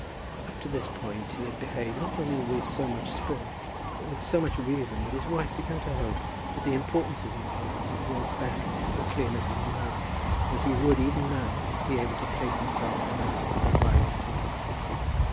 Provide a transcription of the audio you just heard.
Up to this point he had behaved not only with so much spirit, but with so much reason, that his wife began to hope that the importance of the occasion had brought back the clearness of his mind, and that he would, even now, be able to place himself right as the inquiry went on.